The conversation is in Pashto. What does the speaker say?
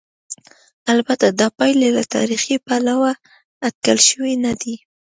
البته دا پایلې له تاریخي پلوه اټکل شوې نه دي.